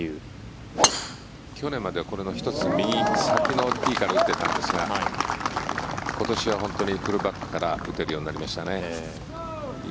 去年までは、この１つ先の右のティーから打っていたんですが今年はプロバックから打てるようになりましたね。